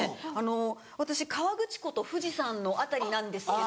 私河口湖と富士山の辺りなんですけど。